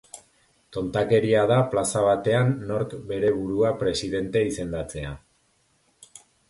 Tontakeria da plaza batean nork bere burua presidente izendatzea.